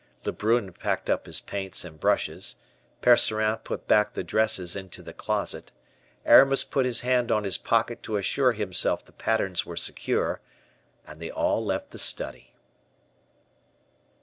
Lebrun packed up his paints and brushes, Percerin put back the dresses into the closet, Aramis put his hand on his pocket to assure himself the patterns were secure, and they all left the study.